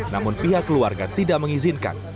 namun pihak keluarga tidak mengizinkan